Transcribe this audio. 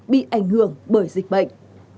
bị ảnh hưởng bởi dịch bệnh